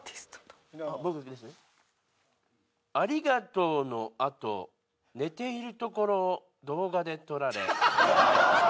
「ありがとうのあと寝ているところを動画で撮られ」。